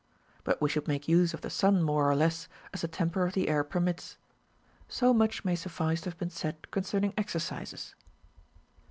But we should make use of the sun more or less, as the temper of the air per mits. So much may suffice to have been said concerning exercises.